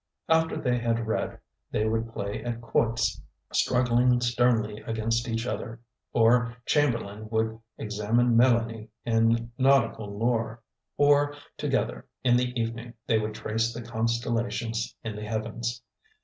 After they had read, they would play at quoits, struggling sternly against each other; or Chamberlain would examine Mélanie in nautical lore; or together, in the evening, they would trace the constellations in the heavens.